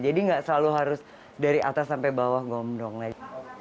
jadi nggak selalu harus dari atas sampai bawah gomdong lah ya